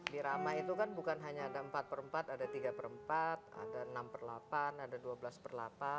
dirama itu kan bukan hanya ada empat per empat ada tiga per empat ada enam per delapan ada dua belas per delapan